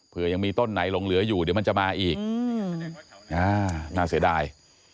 เพื่อยังมีต้นไหนหลงเหลืออยู่เดี๋ยวมันจะมาอีกน่าเสียดาย